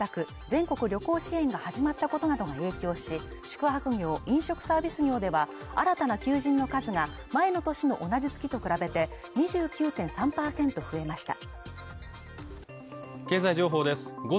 全国旅行支援が始まったことなどが影響し宿泊業・飲食サービス業では新たな求人の数が前の年の同じ月と比べて２９．３％増えました